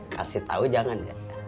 kasih tau jangan ya